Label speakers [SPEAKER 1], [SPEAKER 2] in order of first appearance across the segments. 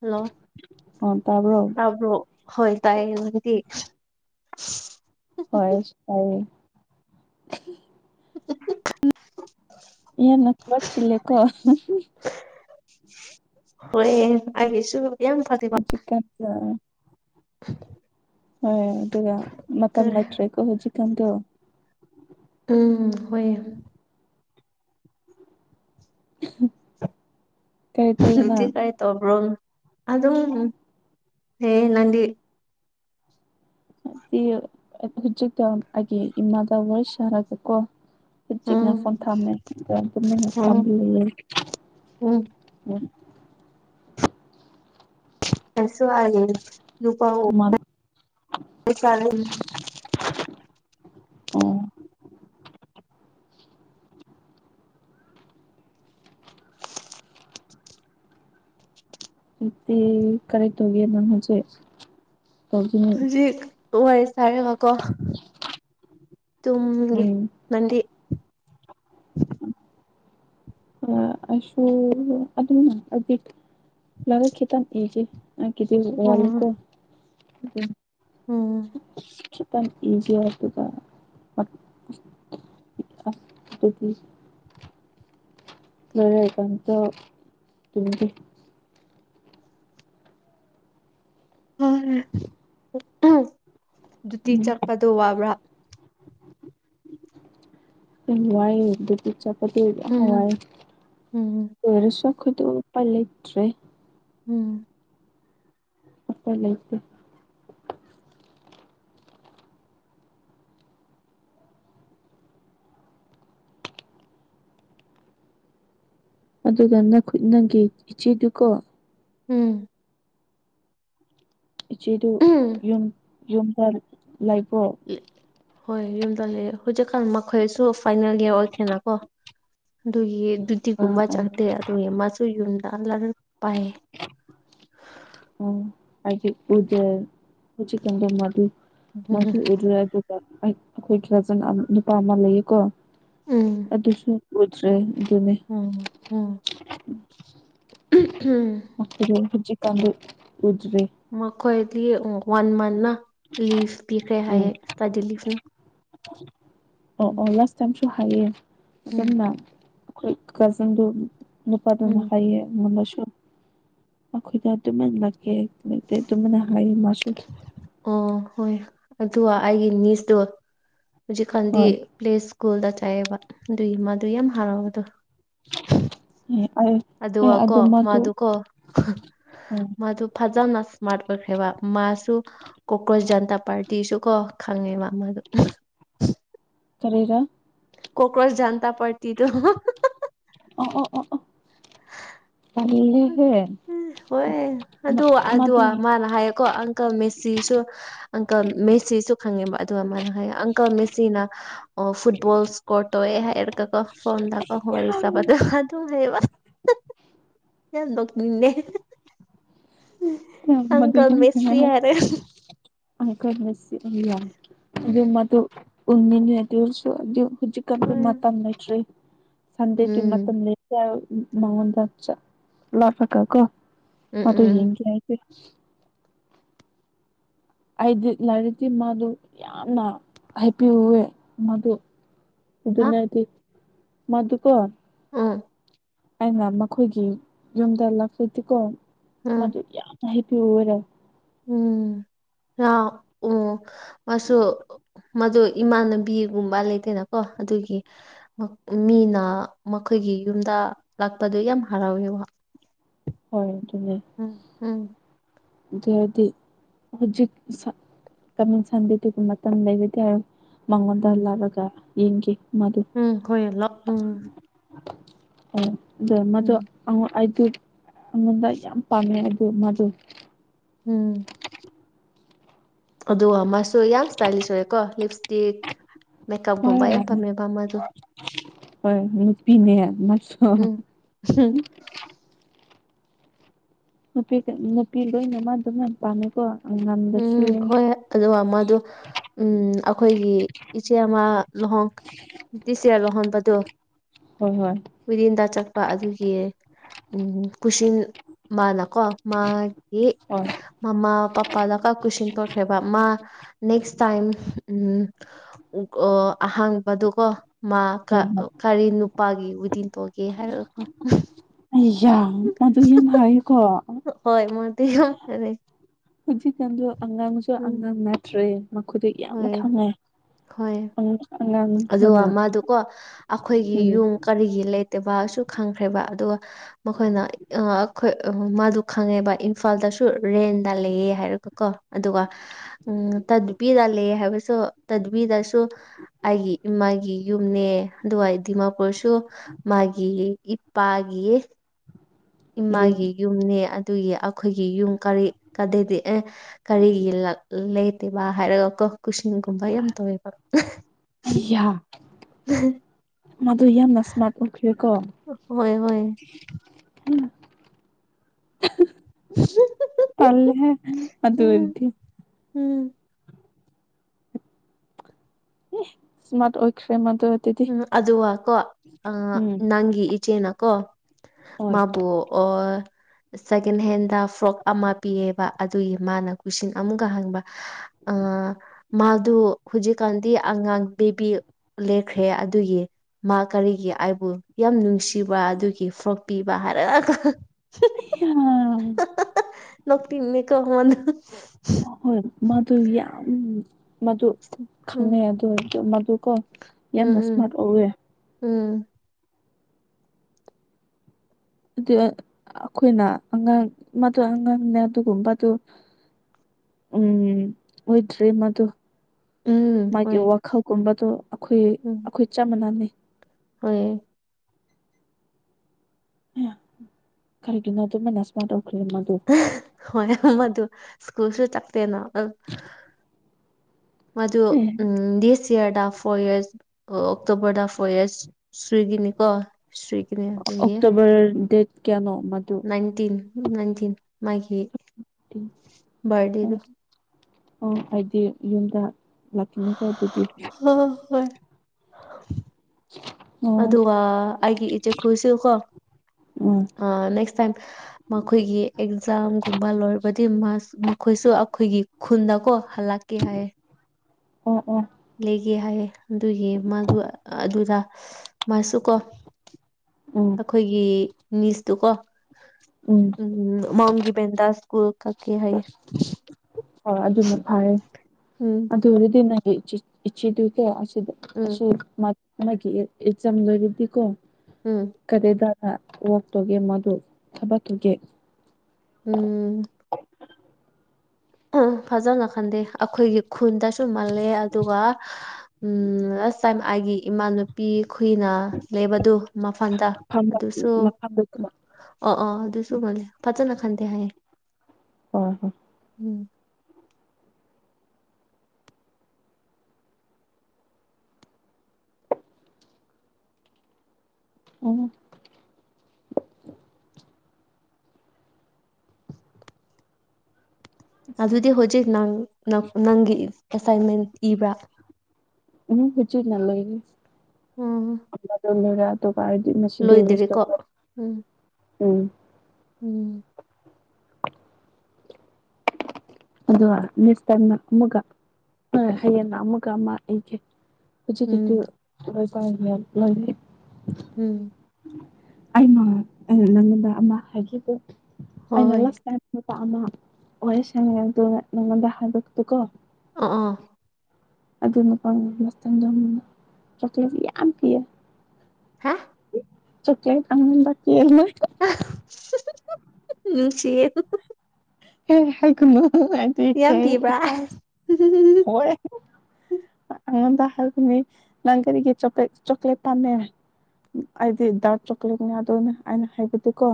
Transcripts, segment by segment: [SPEAKER 1] hello ꯇꯥꯕ꯭ꯔꯣ ꯍꯣꯏ ꯇꯥꯏꯌꯦ ꯑꯗꯨꯗꯤ
[SPEAKER 2] ꯍꯣꯏ ꯑꯩꯁꯨ ꯇꯥꯏꯌꯦ
[SPEAKER 1] [unintelligible]
[SPEAKER 2] ꯌꯥꯝꯅ ꯊꯕꯛ ꯆꯤꯜꯂꯦꯀꯣ
[SPEAKER 1] ꯍꯣꯏ ꯑꯩꯉꯤꯁꯨ ꯌꯥꯝ ꯐꯪꯕ
[SPEAKER 2] ꯆꯤꯛꯟ ꯆ [unintelligible]
[SPEAKER 1] [unintelligible]
[SPEAKER 2] ꯍꯣꯏ ꯑꯗꯨꯒ ꯃꯇꯝ ꯂꯩꯇ꯭ꯔꯦꯀꯣ ꯍꯧꯖꯤꯛꯀꯥꯟꯗꯣ
[SPEAKER 1] ꯎꯝ ꯍꯣꯏ
[SPEAKER 2] ꯀꯔꯤ ꯇꯧꯔꯤꯅꯣ
[SPEAKER 1] ꯇꯤꯇꯥꯏ ꯇꯧꯕꯔꫭ ꯑꯗꯨꯝ ꯍꯩꯌꯦ ꯅꯪꯗꯤ
[SPEAKER 2] ꯁꯤ ꯍꯧꯖꯤꯛꯇ ꯑꯩꯒꯤ ꯏꯃꯥꯒ ꯋꯥꯔꯤ‌ ꯁꯥꯟꯅꯕꯀꫭ
[SPEAKER 1] ꯎꯝ
[SPEAKER 2] ꯍꯧꯖꯤꯛꯅ ꯐꯣꯟ ꯊꯝꯃꯦ ꯐꫭꯟ ꯇꯨꯝꯅꯤꯡꯉ
[SPEAKER 1] ꯎꯝ
[SPEAKER 2] ꯊꯝꯉꯔꯤ ꯍꯥꯏꯌꯦ
[SPEAKER 1] ꯎꯝ
[SPEAKER 2] ꯐꫭꯟ
[SPEAKER 1] ꯀꯁ ꯍꯥꯏ ꯅꯨꯄꯥ
[SPEAKER 2] ꯃꯥ
[SPEAKER 1] ꯆ [unintelligible]
[SPEAKER 2] ꯑꯣ ꯅꯨꯄꯤ ꯈꯔ ꯊꫭꯡꯉꯦꯕ ꯍꯧꯖꯤꯛ ꯇꯧꯒꯅꯤ
[SPEAKER 1] ꯍꯧꯖꯤꯛ ꯋꯥꯔꯤ ꯁꯥꯔꯒꯀꯣ
[SPEAKER 2] [unintelligible]
[SPEAKER 1] ꯇꯨꯝꯒꯦ
[SPEAKER 2] ꯎꯝ
[SPEAKER 1] ꯅꯪꯗꯤ
[SPEAKER 2] ꯎꯝ ꯑ ꯑꯩꯁꯨ ꯑꯗꯨꯝꯅ ꯍꯧꯖꯤꯛ ꯂꯥꯏꯔꯤꯛ ꯈꯤꯇꯪ ꯏꯒꯦ ꯑꯩꯒꯤꯗꯤ
[SPEAKER 1] ꯑꯣ
[SPEAKER 2] ꯋꯥꯠꯂꯤꯀꯣ ꯑꯗꯨ
[SPEAKER 1] ꯎꯝ
[SPEAKER 2] ꯈꯤꯇꯪ ꯏꯒꯦ ꯑꯗꯨꯒ ꯍꯥꯏꯗ [unintelligible] ꯔꯦ ꯍꯥꯏꯀ ꯆ ꯊꯗꯤ [unintelligible]
[SPEAKER 1] ꯃꯥꯅꯤ ꯑꯗꯨ ꯑꯗꯨꯗꯤ ꯆꯠꯄꯗꯣ ꯋꯥꯕ꯭ꯔꯥ
[SPEAKER 2] ꯋꯥꯝ ꯋꯥꯏꯌꯦ ꯑꯗꯨꯒꯤ ꯆꯠ ꯑꯗꯨ
[SPEAKER 1] ꯎꯝ
[SPEAKER 2] ꯆꯞꯃꯥꯟꯅꯔꯅꯤ
[SPEAKER 1] ꯎꯝ
[SPEAKER 2] ꯂꫭꯏꯔꯁꯨ ꯈꯨꯗꫭꯞꯄ ꯂꯩꯇ꯭ꯔꯦ
[SPEAKER 1] ꯎꯝ
[SPEAKER 2] ꯎꯄꯥꯏ ꯂꯩꯇꯦ ꯑꯗꯨꯒ ꯅꯈꯨꯠ ꯅꯪꯒꯤ ꯏꯆꯦꯗꯨꯀꯣ
[SPEAKER 1] ꯎꯝ
[SPEAKER 2] ꯏꯆꯦꯗꯨ
[SPEAKER 1] ꯎꯝ
[SPEAKER 2] ꯌꯨꯝ ꯌꯨꯝꯗ ꯂꯩꯕ꯭ꯔꯣ
[SPEAKER 1] ꯂꯩ ꯍꯣꯏ ꯌꯨꯝꯗ ꯂꯩꯌꯦ ꯍꯧꯖꯤꯛꯀꯥꯟ ꯃꯈꯣꯏꯁꯨ ꯐꯥꯏꯅꯦꯜ ꯌꯔ ꯑꯣꯏꯈꯤꯅꯀꯣ ꯑꯗꯨꯒꯤ ꯑꯗꯨꯗꯤꯒꯨꯝꯕ
[SPEAKER 2] ꯑꯣ ꯑꯣ
[SPEAKER 1] ꯆꯪꯇꯦ ꯑꯗꯨꯒꯤ ꯃꯥꯁꯨ ꯌꯨꯝꯗ ꯍꯜꯂꯒ ꯄꯥꯏꯌꯦ
[SPEAKER 2] ꯎꯝ ꯍꯥꯏꯗꯤ ꯎꯗ꯭ꯔꯦ ꯍꯧꯖꯤꯛ ꯀꯥꯟꯗꯨ ꯃꯥꯗꯨ ꯃꯥꯁꯨ ꯎꯗ꯭ꯔꯦ ꯑꯗꯨ ꯗ ꯑꯩꯈꯣꯏ ꯀꯖꯤꯟ ꯑ ꯅꯨꯄꯥ ꯑꯃ ꯂꯩꯌꯦꯀꯣ
[SPEAKER 1] ꯎꯝ
[SPEAKER 2] ꯑꯗꯨꯁꯨ ꯎꯗ꯭ꯔꯦ ꯑꯗꯨꯅꯦ
[SPEAKER 1] ꯎꯝ ꯎꯝ ꯎꯝ
[SPEAKER 2] ꯃꯊꯩꯗꯨ ꯍꯧꯖꯤꯛ ꯀꯥꯟꯗꯤ ꯎꯗꯔꯤ
[SPEAKER 1] ꯃꯈꯣꯏꯗꯤ ꯋꯥꯟ ꯃꯟꯂ ꯂꯤꯐ ꯄꯤꯈ꯭ꯔꯦ
[SPEAKER 2] ꯎꯝ
[SPEAKER 1] ꯍꯥꯏꯌꯦ ꯏꯁꯇꯗꯤ ꯂꯤꯐꯅ
[SPEAKER 2] ꯑꯣ-
[SPEAKER 1] ꯎꯝ
[SPEAKER 2] ꯑꯣ ꯂꯥꯁ ꯇꯝꯁꯨ ꯍꯥꯏꯌꯦ
[SPEAKER 1] ꯎꯝ
[SPEAKER 2] ꯑꯗꯨꯝꯅ ꯑꯩꯈꯣꯏ ꯀꯖꯤꯟꯗꯨ ꯅꯨꯄꯥꯗꯨꯅ
[SPEAKER 1] ꯎꯝ
[SPEAKER 2] ꯍꯥꯏꯌꯦ ꯅꯉꯣꯟꯗꯁꯨ ꯑꯩꯈꯣꯏꯗ ꯇꯨꯃꯤꯟ ꯂꯥꯛꯀꯦ ꯂꯩꯇꯩ ꯑꯗꯨꯃꯅ ꯍꯥꯏꯌꯦ ꯃꯥꯁꯨ
[SPEAKER 1] ꯑꯣ ꯍꯣꯏ ꯑꯗꯨꯒ ꯑꯩꯒꯤ ꯅꯤꯁꯇꯨ ꯍꯧꯖꯤꯛꯀꯥꯟꯗꯤ
[SPEAKER 2] ꯍꯣꯏ
[SPEAKER 1] ꯄ꯭ꯂꯦ ꯏꯁ꯭ꯀꯨꯜꯗ ꯆꯥꯏꯌꯩꯕ ꯑꯗꯨꯒꯤ ꯃꯥꯗꯨ ꯌꯥꯝ ꯍꯔꯥꯎꯕꯗꯨ
[SPEAKER 2] [unintelligible]
[SPEAKER 1] ꯑꯗꯨꯒ ꯀꯣ
[SPEAKER 2] ꯑꯗꯨ ꯃꯥꯗꯨ
[SPEAKER 1] ꯃꯥꯗꯨꯀꯣ ꯃꯥꯗꯨ ꯐꯖꯅ ꯏꯁꯃꯥꯔꯠ ꯑꯣꯏꯈ꯭ꯔꯦꯕ ꯃꯥꯁꯨ ꯀꯣꯀ꯭ꯔꯣꯁ ꯖꯟꯇꯥ ꯄꯥꯔꯇꯤꯁꯨ ꯀꯣ ꯈꯪꯉꯦꯕ ꯃꯥ ꯃꯥꯗꯨ
[SPEAKER 2] ꯀꯔꯤꯔ
[SPEAKER 1] ꯀꯣꯀ꯭ꯔꯣꯁ ꯖꯟꯇꯥ ꯄꯥꯔꯇꯤꯗꫭ
[SPEAKER 2] ꯑꫭ ꯑꫭ ꯑꫭ
[SPEAKER 1] ꯎꯝ ꯍꯣꯏ ꯑꯗꯨ ꯑꯗꯨ
[SPEAKER 2] ꯃꯗꯨ
[SPEAKER 1] ꯃꯥꯅ ꯍꯥꯏꯌꯦꯀꯣ ꯑꯪꯀ ꯃꯦꯁꯤꯁꯨ ꯑꯪꯀ ꯃꯦꯁꯤꯁꯨ ꯈꯪꯉꯦꯕ ꯑꯗꯨꯒ ꯃꯥꯅ ꯍꯥꯏꯌꯦ ꯑꯪꯀ ꯃꯦꯁꯤꯅ ꯑꯣ ꯐꯨꯠꯕꯣꯜ ꯁꯀꯣꯔ ꯇꯣꯑꯦ ꯍꯥꯏꯔꯒꯀꯣ ꯐꯣꯟꯗꯀꯣ ꯋꯥꯔꯤ ꯁꯥꯕꯗꯣ ꯑꯗꯨꯝ ꯍꯥꯏꯕ ꯌꯥꯝꯣꯛꯅꯤꯅꯦ ꯑꯪꯀꯜ ꯃꯦꯁꯁꯤ ꯍꯥꯏꯔꯦ
[SPEAKER 2] ꯑ ꯈꯔꯁꯤ ꯑꯗꯨ
[SPEAKER 1] ꯎꯝ
[SPEAKER 2] ꯃꯥꯗꯨ ꯎꯃꯤꯅꯤ ꯍꯥꯏ ꯑꯗꯨꯔꯁꯨ ꯑꯗꯨ ꯑꯗꯨ ꯍꯧꯖꯤꯛꯀꯥꯟꯗꯤ ꯃꯇꯝ ꯂꯩꯇ꯭ꯔ ꯁꯟꯗꯦꯗꯨ
[SPEAKER 1] ꯎꯝ
[SPEAKER 2] ꯃꯇꯝ ꯂꯩ ꯃꯉ ꯆ ꯂ ꯀꯒꯣ
[SPEAKER 1] ꯎꯝ ꯎꯝ
[SPEAKER 2] ꯃꯗꯨ ꯌꯦ
[SPEAKER 1] ꯎꯝ
[SPEAKER 2] ꯍꯥꯏꯥꯏꯦ ꯑꯩꯗꯤ ꯂꯥꯏꯔꯤꯛꯇꯤ ꯃꯥꯗꯨ ꯌꯥꯝꯅ ꯍꯥꯏꯦꯞꯄꯤ ꯑꯣꯏꯑꯦ ꯃꯥꯗꯨ
[SPEAKER 1] ꯍꯥ
[SPEAKER 2] ꯑꯗꯨꯅꯥꯏꯗꯤ ꯃꯗꯨꯀꯣ
[SPEAKER 1] ꯑꯥ
[SPEAKER 2] ꯑꯩꯅ ꯃꯈꯣꯏꯒꯤ ꯌꯨꯝꯗ ꯂꯥꯛꯆꯗꯗꯤꯀꯣ
[SPEAKER 1] ꯎꯝ
[SPEAKER 2] ꯃꯗꯨ ꯌꯥꯝꯅ ꯍꯥꯏꯄꯤ ꯑꯣꯏꯔꯦ
[SPEAKER 1] ꯎꯝ ꯍ ꯎꯝ ꯃꯥꯁꯨ ꯃꯗꯣ ꯏꯃꯥꯟꯅꯕꯤꯒꯨꯝꯕ ꯂꯩꯇꯦꯅꯀꯣ ꯑꯗꯨꯒꯤ ꯃꯤꯅ ꯃꯈꯣꯏꯒꯤ ꯌꯨꯝꯗ ꯂꯥꯛꯄꯗꯣ ꯌꯥꯝ ꯍꯔꯥꯎꯋꯦ ꯋꯥ
[SPEAKER 2] ꯍꯣꯏ ꯑꯗꯨꯝ
[SPEAKER 1] ꯎꯝ ꯎꯝ
[SPEAKER 2] ꯑꯗꯨ ꯑꯣꯏꯔꯗꯤ ꯍꯧꯖꯤꯛ ꯀꯃꯤꯡ ꯁꯟꯗꯦꯗꯨꯒꯤ ꯃꯇꯝ ꯂꯩꯕꯗꯤ ꯍꯥꯏꯔ ꯃꯉꯣꯟꯗ
[SPEAKER 1] ꯎꯝ
[SPEAKER 2] ꯂꯥꯛꯂꯒ ꯌꯦꯡꯒꯦ ꯃꯗꯨ
[SPEAKER 1] ꯎꯝ ꯍꯣꯏ ꯂꯥꯛ ꯎꯝ
[SPEAKER 2] ꯑꯣ ꯑꯗ ꯃꯗꯨ
[SPEAKER 1] ꯎꯝ
[SPEAKER 2] ꯑꯩ ꯑꯩꯉꯣꯟꯗ ꯌꯥꯝ ꯄꯥꯝꯃꯦ ꯑꯗꯨ ꯃꯥꯗꯣ
[SPEAKER 1] ꯎꯝ ꯑꯗꯨꯒ ꯃꯥꯁꯨ ꯌꯥꯝ ꯏꯁ꯭ꯇꯥꯏꯂꯤꯁ ꯑꯣꯏꯌꯀꯣ ꯂꯤꯞ ꯏꯁꯇꯤꯛ
[SPEAKER 2] ꯍꯣꯏ
[SPEAKER 1] ꯃꯦꯀꯞꯒꯨꯝꯕ ꯌꯥꯝ ꯄꯝꯃꯦ ꯄꯥꯝꯃ ꯑꯗꯨ
[SPEAKER 2] ꯍꯣꯏ ꯅꯨꯄꯤꯅꯦ
[SPEAKER 1] ꯎꯝ
[SPEAKER 2] ꯅꯨꯄꯤꯗ ꯅꯨꯄꯤ ꯂꯅ ꯃꯥ ꯑꯗꯨ ꯄꯅꯤ ꯀꯣ
[SPEAKER 1] ꯎꯝ ꯍꯣꯏ ꯑꯗꯨꯒ ꯃꯗꯨ ꯑꯩꯈꯣꯏꯒꯤ ꯏꯆꯦ ꯑꯃ ꯂꯨꯍꯣꯡ ꯇꯤꯁ ꯑꯦꯌꯥꯔ ꯂꯧꯍꯟꯕꯗꯣ
[SPEAKER 2] ꯍꯣꯏ ꯍꯣꯏ
[SPEAKER 1] ꯋꯤꯗꯤꯟ ꯗ ꯆꯠꯄ ꯑꯗꯨꯒꯤ ꯎꯝ ꯀꯨꯁꯤꯟ ꯃꯥꯅꯀꯣ ꯃꯥꯒꯤ
[SPEAKER 2] ꯍꯣꯏ
[SPEAKER 1] ꯃꯃꯥ ꯃꯄꯥꯗ ꯀꯥ ꯀꯨꯏꯁꯤꯟ ꯇꯣꯛꯈ꯭ꯔꯦꯕ ꯃꯥ ꯅꯦꯛꯁ ꯇꯥꯏꯝ ꯎ ꯑꯣ ꯑꯍꯥꯡꯕꯗꯨꯀꯣ ꯃꯥ
[SPEAKER 2] ꯍꯣꯏ ꯍꯣꯏ
[SPEAKER 1] ꯀꯔꯤ ꯅꯨꯄꯥꯒꯤ ꯗꯤꯟꯇꯣꯛꯒꯦ ꯍꯥꯏꯔꯒ
[SPEAKER 2] ꯑꯩ ꯌꯥ ꯃꯗꯨꯒꯤ ꯃꯍꯥꯏꯌꯨꯀꯣ
[SPEAKER 1] ꯍꯣꯏ ꯃ‌ꯣꯏꯗꯤ ꯌꯥꯝ [inaudible]
[SPEAKER 2] ꯍꯧꯖꯤ ꯀ ꯑꯉꯥꯡꯁꯨ
[SPEAKER 1] ꯎꯝ
[SPEAKER 2] ꯑꯉꯝ ꯅꯠꯇ꯭ꯔꯦ ꯃꯈꯣꯏꯗꯤ ꯌꯥꯝ
[SPEAKER 1] ꯍꯣꯏ
[SPEAKER 2] ꯈꯪꯉꯦ
[SPEAKER 1] ꯍꯣꯏ
[SPEAKER 2] ꯎꯪ
[SPEAKER 1] ꯑꯗꯨꯒ ꯃꯥꯗꯨꯀꯣ ꯑꯩꯈꯣꯏꯒꯤ
[SPEAKER 2] ꯎꯝ
[SPEAKER 1] ꯌꯨꯝ ꯀꯔꯤꯒꯤ ꯂꯩꯇꯦꯕꯁꯨ ꯈꯪꯈ꯭ꯔꯦꯕ ꯑꯗꯨꯒ ꯃꯈꯣꯏꯅ ꯑꯩꯈꯣꯏ ꯃꯥꯗꯨ ꯈꯪꯉꯦꯕ ꯏꯝꯐꯥꯜꯗꯁꯨ ꯔꯦꯟꯗ ꯂꯩꯑ ꯍꯥꯏꯔꯒ ꯀꯣ ꯑꯗꯨꯒ ꯎꯝ ꯇꯗꯨꯄꯤꯗ ꯂꯩ ꯍꯥꯏꯕꯁꯨ ꯇꯗꯨꯕꯤꯗꯁꯨ ꯑꯩꯒꯤ ꯏꯃꯥꯒꯤ ꯌꯨꯝꯅꯦ ꯑꯗꯨꯋꯥꯏ ꯗꯤꯃꯥꯄꯨꯔꯁꯨ ꯃꯥꯒꯤ ꯏꯄꯥꯒꯤ
[SPEAKER 2] ꯌꯨꯝ
[SPEAKER 1] ꯏꯃꯥꯒꯤ ꯌꯨꯝꯅꯦ ꯑꯗꯨꯒꯤ ꯑꯩꯈꯣꯏꯒꯤ ꯌꯨꯝ ꯀꯔꯤ ꯀꯗꯩꯗꯤ ꯑꯦ ꯀꯔꯤꯒꯤ ꯂꯩꯇꯦꯕ ꯍꯥꯏꯔꯒ ꯀ ꯀꯨꯁꯟꯒꯨꯝꯕ ꯌꯥꯝ ꯇꯧꯋꯦꯕ
[SPEAKER 2] ꯑꯩꯌꯥ
[SPEAKER 1] ꯎꯝ
[SPEAKER 2] ꯃꯥꯗꯨ ꯌꯥꯝꯅ ꯏꯁꯃꯥꯔꯠ ꯑꯣꯏꯈ꯭ꯔꯦ ꯀꯣ
[SPEAKER 1] ꯍꯣꯏ ꯍꯣꯏ
[SPEAKER 2] ꯎꯝ ꯄꯜꯂꯦꯍꯦ ꯑꯗꯨ ꯑꯗꯨ
[SPEAKER 1] ꯎꯝ
[SPEAKER 2] ꯑꯣꯏꯗꯤ
[SPEAKER 1] ꯎꯝ
[SPEAKER 2] ꯏꯁꯃꯥ ꯑꯣꯏꯈ꯭ꯔꯦ ꯃꯗꯨ ꯑꯗꯨꯗꯤ
[SPEAKER 1] ꯎꯝ ꯑꯗꯨꯒ ꯀꯣ ꯑꯥ
[SPEAKER 2] ꯎꯝ
[SPEAKER 1] ꯅꯪꯒꯤ ꯏꯆꯦꯅꯀꯣ
[SPEAKER 2] ꯍꯣꯏ
[SPEAKER 1] ꯃꯥꯕꯨ ꯑꯣ ꯁꯦꯀꯦꯟ ꯍꯦꯟꯗ ꯐ꯭ꯔꯣꯛ ꯑꯃ ꯄꯤꯑꯦꯕ ꯑꯗꯨꯒꯤ ꯃꯥꯅ ꯀꯨꯏꯁꯟ ꯑꯃꯨꯛꯒ ꯍꯪꯕ ꯑ ꯃꯥꯗꯨ ꯍꯧꯖꯤꯛꯀꯥꯟꯗꯤ ꯑꯉꯥꯡ ꯕꯤꯕꯤ ꯂꯦ ꯈ꯭ꯔꯦ ꯑꯗꯨꯒꯤ ꯃꯥ ꯀꯔꯤꯒꯤ ꯑꯩꯕꯨ ꯌꯥꯝ ꯅꯨꯡꯁꯤꯕ ꯑꯗꯨꯒꯤ ꯐ꯭ꯔꯣꯛ ꯄꯤꯕ ꯍꯥꯏꯔ ꯂ ꯇ ꯏꯅꯦ ꯀꯃꯅ
[SPEAKER 2] ꯍꯣꯏ ꯃꯥꯗꯨ ꯌꯥꯝ ꯃꯗꯨ
[SPEAKER 1] ꯎꯝ
[SPEAKER 2] ꯈꯪꯅꯩ ꯑꯗꯨ ꯑꯣꯏꯖꯨ ꯃꯗꯨꯀꯣ
[SPEAKER 1] ꯎꯝ
[SPEAKER 2] ꯌꯥꯝꯅ
[SPEAKER 1] ꯎꯝ
[SPEAKER 2] ꯏ꯭ꯁꯃꯥꯔꯠ ꯑꯣꯏꯋꯦ
[SPEAKER 1] ꯎꯝ
[SPEAKER 2] [inaudible] ꯑꯩꯈꯣꯏꯅ ꯑꯉꯥꯡ ꯃꯗꯨ ꯑꯉꯥꯡꯅꯦ ꯑꯗꯨꯒꯨꯝꯕꯗꯨ ꯎꯝ ꯑꯣꯏꯗꯊ꯭ꯔꯤ ꯃꯗꯨ
[SPEAKER 1] ꯎꯝ
[SPEAKER 2] ꯃꯥꯒꯤ
[SPEAKER 1] ꯍꯣꯏ
[SPEAKER 2] ꯋꯥꯈꯜꯒꯨꯝꯕꯗꯣ ꯑꯩꯈꯣꯏ
[SPEAKER 1] ꯎꯝ
[SPEAKER 2] ꯑꯩꯈꯣꯏ ꯆꯞ ꯃꯥꯟꯅꯩ
[SPEAKER 1] [inaudible]
[SPEAKER 2] ꯀꯔꯤꯅ ꯑꯗꯨ ꯃꯟꯅꯁꯃꯧꯔ ꯑ ꯑꯗꯨꯣ
[SPEAKER 1] ꯃꯌꯥꯝ ꯑꯗꯨ ꯁ꯭ꯀꯨꯜꯁꯨ ꯆꯥꯛꯇꯦꯅ ꯑ ꯃꯗꯨ ꯗꯤꯁ ꯏ꯭ꯌꯥꯔꯗ ꯐꯣꯔ ꯏꯌ꯭ꯔꯁ ꯑꯣꯛꯇꯣꯕꯔꯗ ꯐꯣꯔ ꯏꯌ꯭ꯔꯁ ꯁ꯭ꯔꯤꯒꯤꯅꯤ ꯀꯣ ꯁ꯭ꯔꯤꯛ
[SPEAKER 2] ꯑꯣꯛꯇꯣꯕꯔ ꯗꯦꯠ ꯀꯌꯥꯩꯅꯣ ꯃꯗꯨ
[SPEAKER 1] ꯅꯟꯇꯤꯟ ꯅꯟꯇꯤꯟ ꯃꯥꯒꯤ
[SPEAKER 2] ꯍ
[SPEAKER 1] ꯕꯥꯔꯗꯦꯗꯣ
[SPEAKER 2] ꯑꯥ ꯍꯥꯏꯗꯤ ꯌꯨꯝꯗ ꯂꯥꯛꯅꯤꯡꯗꯕꯒꯤ
[SPEAKER 1] ꯍ ꯍꯣꯏ
[SPEAKER 2] ꯑꯣ
[SPEAKER 1] ꯑꯗꯨꯒ ꯑꯩꯒꯤ ꯏꯆꯦ ꯈꯨꯜꯁꯨꯀꯣ
[SPEAKER 2] ꯎꯝ
[SPEAKER 1] ꯑꯥ ꯅꯦꯛꯁ ꯇꯥꯏꯝ ꯃꯈꯣꯏꯒꯤ ꯑꯦꯛꯖꯥꯝꯒꯨꯝꯕ ꯂꯣꯏꯔꯕꯗꯤ ꯃꯈꯣꯏꯁꯨ ꯑꯩꯈꯣꯏꯒꯤ ꯈꯨꯟꯗꯀꯣ ꯍꯜꯂꯛꯀ‌ꯦ ꯍꯥꯏꯌ‌ꯦ
[SPEAKER 2] ꯎꯝ ꯎꯝ
[SPEAKER 1] ꯂꯩꯒꯦ ꯍꯥꯏꯌꯦꯦ ꯑꯗꯨꯒꯤ ꯃꯥꯗꯨ ꯑꯗꯨꯗ ꯃꯥꯁꯨ ꯀꯣ
[SPEAKER 2] ꯎꯝ
[SPEAKER 1] ꯑꯩꯈꯣꯏꯒꯤ ꯃꯤꯁꯇꯨꯀꯣ ꯎꯝ ꯃ‌‌ꯣꯝꯒꯤ ꯄ‌ꯦꯟꯗꯥꯁ ꯁ꯭ꯀꯨꯜ [inaudible] ꯀ ꯍꯥꯏꯌꯦꯌꯦ ꯎꯝ
[SPEAKER 2] ꯔꯗꯤ
[SPEAKER 1] ꯎꯝ
[SPEAKER 2] ꯏꯀꯦ ꯃꯥꯒꯤ ꯑꯦꯛ-ꯑꯦꯛꯖꯝ ꯂꯣꯏꯕꯗꯤ ꯀꯣ
[SPEAKER 1] ꯎꯝ
[SPEAKER 2] ꯀꯔꯤꯗꯔꯥ ꯑꯣꯛꯇꯨꯒꯤ ꯃꯗꯨ ꯊꯕꯛꯇꯨꯒꯤ
[SPEAKER 1] ꯎꯝ ꯐꯥꯖꯉ ꯈꯟꯗꯦ ꯑꯩꯈꯣꯏꯒꯤ ꯈꯨꯟꯗꯁꯨ ꯃꯥꯜꯂꯦ ꯑꯗꯨꯒ ꯂꯥꯁ ꯇꯥꯏꯝ ꯑꯩꯒꯤ ꯏꯃꯥꯟ ꯅꯨꯨꯄꯤ ꯈꯨꯨꯏꯅ ꯂꯩꯕꯗꯨ ꯃꯐꯜꯗ
[SPEAKER 2] ꯐꯝꯕꯒꯤ
[SPEAKER 1] ꯑꯗꯨꯁꯨ
[SPEAKER 2] ꯃꯐꯝꯗꯨꯀꯣ
[SPEAKER 1] ꯑꯣ-ꯑꯣ ꯑꯗꯨꯁꯨ ꯃꯥꯂꯦ ꯐꯖꯅ ꯈꯟꯗꯦ ꯍꯥꯏꯌꯦ
[SPEAKER 2] ꯍ ꯍꯣꯏ
[SPEAKER 1] ꯎꯝ
[SPEAKER 2] ꯎꯝ
[SPEAKER 1] ꯑꯗꯨꯗꯤ ꯍꯧꯖꯤꯛ ꯅꯪ ꯅꯪꯒꯤ ꯑꯦꯁꯥꯏꯟꯃꯦꯟ ꯏꯕ꯭ꯔꯥ
[SPEAKER 2] ꯎꯝ ꯍꯨꯆꯤ ꯅꯂ ꯂꯩꯦ
[SPEAKER 1] ꯎꯝ
[SPEAKER 2] ꯔ ꯑꯗꯨꯣ ꯄꯔ ꯃꯁꯤꯁꯤꯔꯕꯁ
[SPEAKER 1] ꯂꯣꯏꯗ꯭ꯔꯤꯀꯣ ꯎꯝ
[SPEAKER 2] ꯎꯝ
[SPEAKER 1] ꯎꯝ
[SPEAKER 2] ꯑꯗꯨꯒ ꯅꯦꯛꯁ ꯇꯥꯏꯝꯅ ꯑꯃꯨꯛꯒ ꯍꯌꯦꯡꯅ ꯑꯃꯨꯛꯀ‌ ꯑꯃ ꯑꯩꯒꯦ ꯎ ꯎꯆꯖꯤ ꯀꯦ
[SPEAKER 1] ꯎꯝ
[SPEAKER 2] ꯑꯣꯏ ꯃ [inaudible]
[SPEAKER 1] ꯎꯝ
[SPEAKER 2] ꯑꯩꯅ-ꯑꯩꯅ ꯅꯪꯑ‌‌ꯣꯟꯗ ꯑꯃ ꯍꯥꯏꯒ‌ꯦꯀ‌ꯣ ꯑꯩꯅ
[SPEAKER 1] ꯍꯣꯏ
[SPEAKER 2] ꯂꯥꯁ ꯇꯥꯏꯝ ꯅꯨꯄꯥ ꯑꯃ ꯋꯥꯔꯤ ꯁꯥꯟꯅꯩ ꯍꯥꯢꯕꯗꯨ ꯅꯪꯑꯣꯟꯗ ꯍꯥꯕꯗꯨ ꯀꯣ
[SPEAKER 1] ꯑꯣ-ꯑꯣ
[SPEAKER 2] ꯑꯗꯨ ꯃꯄꯗ ꯆꯣꯀ꯭ꯂꯦꯠꯁꯤ ꯌꯥꯝ ꯀꯤꯌꯦꯦ [inaudible]
[SPEAKER 1] ꯍꯥ
[SPEAKER 2] ꯆꯣꯛꯀ꯭ꯂꯦꯠ ꯑꯃꯨꯟꯕ [inaudible]
[SPEAKER 1] ꯎ ꯁꯤ [inaudible]
[SPEAKER 2] ꯍꯦ ꯍꯥꯏ ꯀꯅꯨ [inaudible]
[SPEAKER 1] ꯌꯥꯝ ꯀꯤꯕ꯭ꯔꯥ
[SPEAKER 2] ꯑꯩꯉꯣꯡꯗ ꯍꯥꯏꯕꯅꯦ ꯅꯪ ꯀꯔꯤꯒꯤ ꯆ꯭ꯂꯦ ꯆꯣꯛꯂꯦꯠ ꯄꯥꯝꯃꯦ ꯑꯩꯗꯤ ꯗꯥꯛ ꯆꯧꯀ꯭ꯂꯦꯠꯅꯦ ꯑꯗꯨꯅꯦ ꯑꯩꯅ ꯍꯥꯏꯕꯗꯤꯀꯣ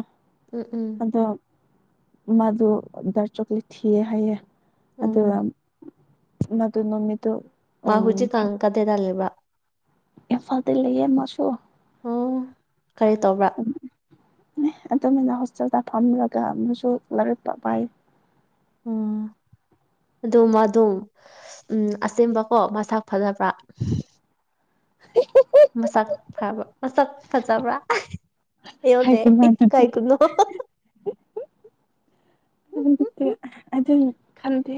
[SPEAKER 1] ꯎꯝ ꯎꯝ
[SPEAKER 2] ꯑꯗꯣ ꯃꯥꯗꯣ ꯗꯥꯔꯠ ꯆꯣꯀ꯭ꯂꯦꯠ ꯊꯤꯌꯦ ꯍꯥꯏꯌꯦ ꯑꯗꯨꯒ
[SPEAKER 1] ꯎꯝ
[SPEAKER 2] ꯃꯗꯨ ꯅꯨꯃꯤꯠꯇꯨ
[SPEAKER 1] ꯃꯥꯨ
[SPEAKER 2] ꯎꯝ
[SPEAKER 1] ꯍꯧꯖꯤꯛꯀꯥꯟ ꯀꯥꯗꯥꯏꯗ ꯂꯩꯕ꯭ꯔꯥ
[SPEAKER 2] ꯏꯝꯐꯥꯜꯗ ꯂꯩꯌꯦ ꯃꯥꯁꯨ
[SPEAKER 1] ꯑꯣ ꯀꯔꯤ ꯇꯧꯕ꯭ꯔꯥ
[SPEAKER 2] ꯑꯗꯨꯃꯥꯏꯅ ꯍꯣꯁꯇꯦꯜꯗ ꯐꯝꯂꯒ ꯑꯃꯛꯁꯨ ꯂꯥꯏꯔꯤꯛ ꯄꯥꯏ
[SPEAKER 1] ꯎꯝ ꯑꯗꯨ ꯃꯥ ꯑꯗꯢ ꯎꯝ ꯑꯁꯦꯡꯕꯀꯣ ꯃꯁꯛ ꯐꯖꯕ꯭ꯔꯥ
[SPEAKER 2] [inaudible]
[SPEAKER 1] ꯃꯁꯛ ꯐꯕ ꯃꯁꯛ ꯐꯖꯕ꯭ꯔꯥ ꯍꯥꯢꯌꯨꯅꯦ
[SPEAKER 2] ꯍꯥꯏꯒꯅꯨ ꯑꯗꯨꯗꯤ
[SPEAKER 1] ꯏꯀꯥꯏꯒꯅꯨ
[SPEAKER 2] ꯑꯗꯨ ꯑꯗꯨꯝ ꯈꯟꯗꯦ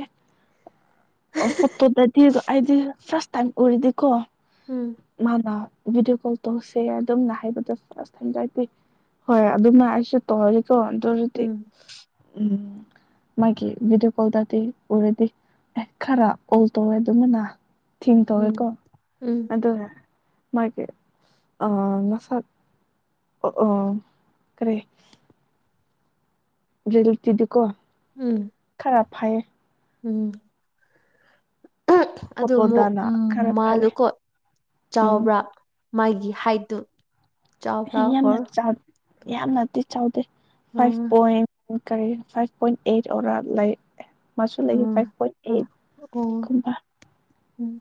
[SPEAKER 2] ꯐꯣꯇꯣ‌ꯗꯗꯤ ꯑꯩꯗꯤ ꯐꯥꯔꯁ ꯇꯥꯏꯝ ꯎꯔꯤꯗꯤꯀꯣ
[SPEAKER 1] ꯎꯝ
[SPEAKER 2] ꯃꯥꯅ ꯚꯤꯗꯤꯑꯣ ꯀꯣꯜ ꯇꯧꯁꯦ ꯑꯗꯨꯝꯅ ꯍꯥꯏꯕꯗꯣ ꯑꯁ ꯍꯩꯅꯗꯦ ꯍꯣꯏ ꯑꯗꯨꯝꯅ ꯑꯩꯁꯨ ꯇ‌ꯧꯔꯤ ꯀꯣ ꯇꯔꯗꯤ
[SPEAKER 1] ꯎꯝ
[SPEAKER 2] ꯎꯝ ꯃꯥꯒꯤ [inaudible] ꯚꯗꯤꯑꯣ ꯀꯣꯜꯗꯗꯤ ꯑꯣꯏꯔꯗꯤ ꯈꯔ ꯑꯣꯜ ꯇꯧꯋꯦ ꯑꯗꯨꯅ ꯊꯤꯡ
[SPEAKER 1] ꯎꯝ
[SPEAKER 2] ꯇꯧꯋꯦꯀꯣ
[SPEAKER 1] ꯎꯝ
[SPEAKER 2] ꯑꯗꯨ ꯃꯥꯒꯤ ꯑ ꯃꯁꯛ ꯑꯣ ꯑꯣ ꯀꯔꯤ ꯦꯜ ꯇꯗ ꯀꯣ [inaudible]
[SPEAKER 1] ꯎꯝ
[SPEAKER 2] ꯌꯥꯝ ꯐꯩ
[SPEAKER 1] ꯎꯝ ꯑꯗꯨ ꯑꯃꯨꯛ
[SPEAKER 2] ꯐꯣꯇꯣꯗꯅ ꯈꯔ ꯐꯠꯂꯦ
[SPEAKER 1] ꯃꯥꯗꯨꯀꯣ
[SPEAKER 2] ꯎꯝ
[SPEAKER 1] ꯆꯥꯎꯕ꯭ꯔꯥ ꯃꯥꯒꯤ ꯍꯥꯏꯠꯇꯨ ꯆꯥꯎꯕ꯭ꯔꯥ
[SPEAKER 2] ꯌꯥꯝꯅ
[SPEAKER 1] ꯑꯣꯔ
[SPEAKER 2] ꯆꯥꯎ ꯌꯥꯝꯅꯗꯤ ꯆꯥꯎꯗꯦ ꯐꯥꯏꯚ
[SPEAKER 1] ꯎꯝ
[SPEAKER 2] ꯄꯣꯏꯟ ꯀꯔꯤ ꯐꯥꯏꯚ ꯄꯣꯏꯟ ꯑꯩꯠ ꯑꯣꯔꯥ ꯂꯩ ꯃꯥꯁꯨ ꯂꯩ
[SPEAKER 1] um
[SPEAKER 2] five point
[SPEAKER 1] um
[SPEAKER 2] eight
[SPEAKER 1] ꯑꯣ
[SPEAKER 2] ꯒꯨꯝꯕ
[SPEAKER 1] um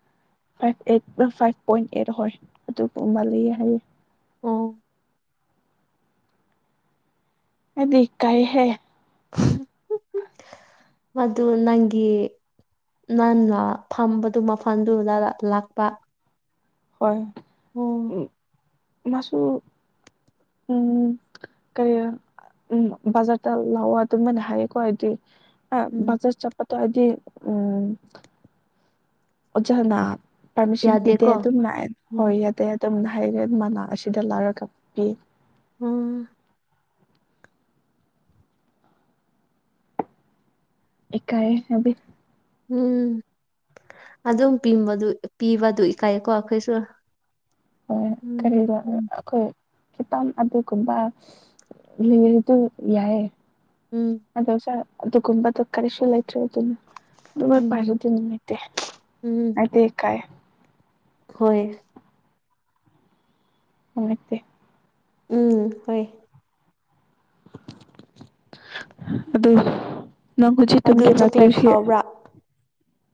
[SPEAKER 2] five eight five point eight ꯍꯣꯏ ꯑꯗꯨꯒꯨꯝꯕ ꯂꯩꯌꯦ ꯍꯥꯏꯌꯦ
[SPEAKER 1] ꯑꯣ
[SPEAKER 2] ꯑꯩꯗꯤ ꯢꯀꯥꯏ ꯍꯦ
[SPEAKER 1] ꯃꯗꯨ ꯅꯪꯒꯤ ꯅꯪ ꯐꯝꯕꯗꯨ ꯃꯐꯝꯗꯨꯗ ꯂꯥꯛꯄ
[SPEAKER 2] ꯍꯣꯏ
[SPEAKER 1] ꯑꯣ
[SPEAKER 2] ꯃꯥꯁꯨ ꯎꯝ ꯀꯩ ꯎꯝ ꯕꯖꯥꯔꯗ ꯂꯥꯛꯑꯣ ꯑꯗꯨꯃꯥꯏꯅ ꯍꯥꯏꯌꯦꯀꯣ ꯍꯥꯏꯗꯤ ꯑ
[SPEAKER 1] ꯎꯝ
[SPEAKER 2] ꯕꯥꯖꯥꯔ ꯆꯠꯞꯇꯣ ꯑꯩꯗꯤ ꯎꯝ ꯑꯣꯖꯥꯅ ꯄꯥꯔꯃꯤꯁꯟ ꯄꯤꯗꯦ
[SPEAKER 1] ꯌꯥꯗꯦꯀꯣ
[SPEAKER 2] ꯑꯗꯨꯝ ꯂꯥꯛꯑꯦ
[SPEAKER 1] ꯎꯝ
[SPEAKER 2] ꯍꯣꯏ ꯌꯥꯗꯦ ꯇꯝꯅ ꯍꯥꯏꯅ‌ꯦ ꯃꯅꯥ ꯑꯁꯤꯗ ꯂꯥꯏꯔꯒ ꯄꯤ
[SPEAKER 1] ꯎꯝ
[SPEAKER 2] ꯏꯀꯥꯏ ꯁꯕꯤ
[SPEAKER 1] ꯎꯝ ꯑꯗꯨꯝ ꯄꯤꯝꯕꯗꯨ ꯄꯤꯕꯗꯨ ꯏꯀꯥꯏꯀꯣ ꯑꯩꯈꯣꯏꯁꯨ
[SPEAKER 2] ꯍꯣꯏ
[SPEAKER 1] ꯎꯝ
[SPEAKER 2] ꯀꯔꯤꯔꯥ
[SPEAKER 1] ꯎꯝ
[SPEAKER 2] ꯑꯩꯈꯣꯏ ꯈꯤꯇꯝ ꯑꯗꯨꯒꯨꯝꯕꯥ [inaudible] ꯌꯥꯏ
[SPEAKER 1] ꯎꯝ
[SPEAKER 2] ꯑꯗꯣꯏꯁ ꯑꯗꯨꯒꯨꯝꯕꯗ‌ꯣ ꯀꯔꯤꯁꯨ ꯂꯩꯇ꯭ꯔꯦ ꯑꯗꯨꯅ ꯑꯗꯨꯃ
[SPEAKER 1] ꯎꯝ
[SPEAKER 2] ꯄꯥꯏꯔꯦꯗꯤ ꯅꯨꯃꯤꯠꯇꯦ
[SPEAKER 1] ꯎꯝ
[SPEAKER 2] ꯑꯗꯤ ꯀꯥꯏ
[SPEAKER 1] ꯍꯣꯏ
[SPEAKER 2] ꯅꯨꯉꯥꯏꯇ‌ꯦ
[SPEAKER 1] ꯎꯝ ꯍꯣꯏ
[SPEAKER 2] ꯑꯗ‌ꯣ ꯅꯪ ꯍꯧꯖꯤꯛ ꯇꯝꯒꯤ
[SPEAKER 1] ꯑꯗꯨ ꯆꯣꯀ꯭ꯂꯦꯠ
[SPEAKER 2] ꯋꯥꯇ‌ꯣꯏꯁꯤ
[SPEAKER 1] ꯍꯥꯎꯕ꯭ꯔꯥ